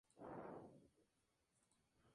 Ha dicho que fue el año en que mejores notas sacó.